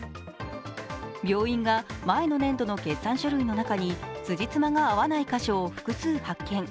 病院が前の年度の決算書類の中につじつまが合わない箇所を複数発見。